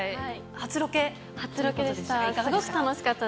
初ロケでした。